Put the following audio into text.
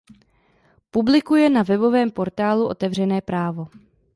Publikuje na webovém portálu Otevřené právo.